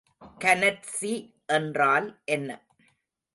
கனற்சி என்றால் என்ன?